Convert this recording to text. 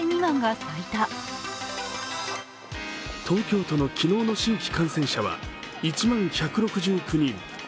東京都の昨日の新規感染者は１万１６９人。